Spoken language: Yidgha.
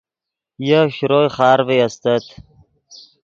یف شروئے خارڤے استت